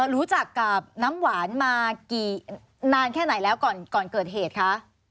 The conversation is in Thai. รู้จักกับน้ำหวานมากี่นานแค่ไหนแล้วก่อนเกิดเหตุคะ